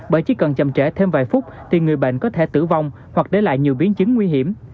bởi chỉ cần chậm trễ thêm vài phút thì người bệnh có thể tử vong hoặc để lại nhiều biến chứng nguy hiểm